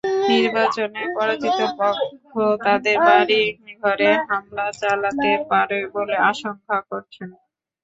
নির্বাচনে পরাজিত পক্ষ তাঁদের বাড়িঘরে হামলা চালাতে পারে বলে আশঙ্কা করছেন।